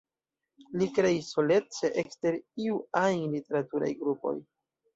Li kreis solece ekster iuj ajn literaturaj grupoj.